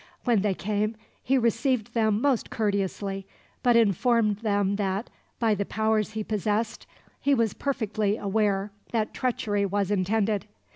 When they came he received them most courteously, but informed them that, by the powers he possessed, he was perfectly aware that treachery was intended.